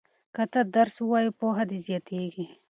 که ته درس ووایې پوهه دې زیاتیږي.